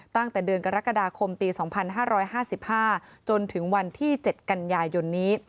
ตั้งแต่เดือนกรกฎาคมปี๒๕๕๕จนถึงวันที่๗กันยายนนี้